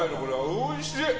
おいしい。